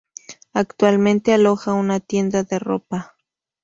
Actualmente aloja una tienda de ropa.